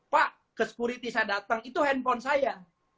pak ke sekuriti saya datang itu handphone saya